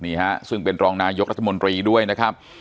นี่ฮะซึ่งเป็นรองนายกรัฐมนตรีด้วยนะครับ